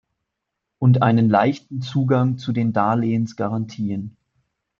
Und einen leichten Zugang zu den Darlehensgarantien.